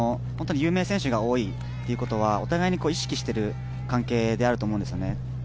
有名選手が多いということはお互いに意識している関係だと思うんですよね。